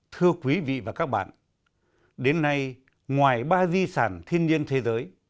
thưa quý vị và các bạn đến nay ngoài ba di sản thiên nhiên thế giới